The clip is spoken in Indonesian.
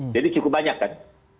jadi cukup banyak kan